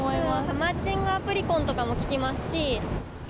マッチングアプリ婚とかも聞きますし。